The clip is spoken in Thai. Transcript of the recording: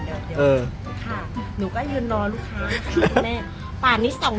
เดี๋ยวพี่คอยืนรอลูกค้าสินะ